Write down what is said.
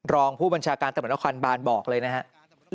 รองผู้บัญชาการตำรวจนครบานบอกเลยนะครับ